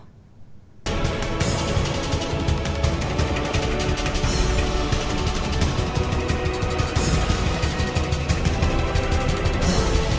hẹn gặp lại